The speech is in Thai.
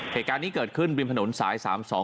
เหตุการณ์นี้เกิดขึ้นริมถนนสาย๓๒